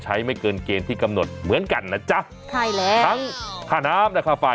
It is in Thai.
ใช้เมียได้ตลอด